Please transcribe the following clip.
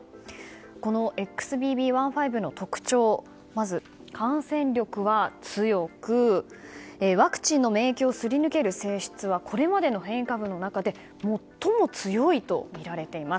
このＸＢＢ．１．５の特徴ですが感染力は強く、ワクチンの免疫をすり抜ける性質はこれまでの変異株の中でもっとも強いとみられています。